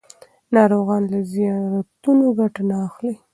ناروغان له زیارتونو ګټه نه اخلي.